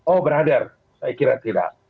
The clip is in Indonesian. oh berhadar saya kira tidak